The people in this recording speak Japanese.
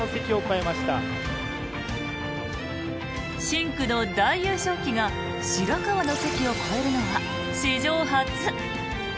深紅の大優勝旗が白河の関を越えるのは史上初。